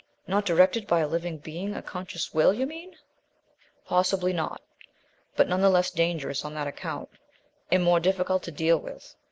"Not directed by a living being, a conscious will, you mean?" "Possibly not but none the less dangerous on that account, and more difficult to deal with.